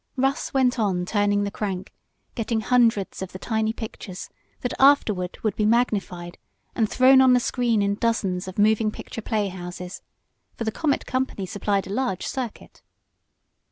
Russ went on turning the crank, getting hundreds of the tiny pictures that afterward would be magnified, and thrown on the screen in dozens of moving picture playhouses, for the Comet Company supplied a large "circuit."